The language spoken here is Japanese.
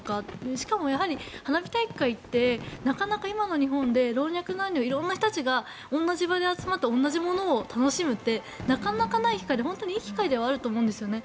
しかも花火大会ってなかなか今の日本で老若男女、色々な人たちが同じ場所に集まって同じものを楽しむってなかなかない機会で本当にいい機会ではあると思うんですよね。